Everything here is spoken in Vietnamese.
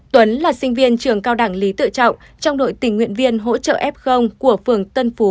tuấn là sinh viên trường cao đảng lý tự trọng trong đội tình nguyện viên hỗ trợ f của phường tân phú